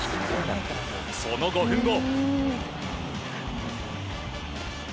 その５分後。